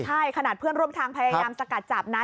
ใช่ขนาดเพื่อนร่วมทางพยายามสกัดจับนะ